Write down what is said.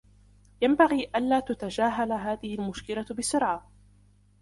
ينبغي ألا تُتَجاهل هذه المشكلة بسرعة.